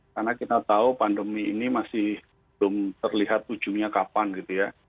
karena kita tahu pandemi ini masih belum terlihat ujungnya kapan gitu ya